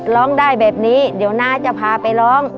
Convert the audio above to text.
ร้องได้แบบนี้เดี๋ยวน้าจะพาไปร้อง